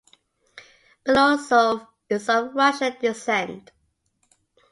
Belousov is of Russian descent.